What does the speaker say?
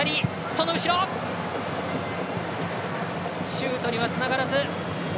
シュートにはつながらず。